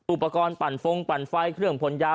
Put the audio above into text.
อุปกรณ์ปั่นฟงปั่นไฟเครื่องผลยา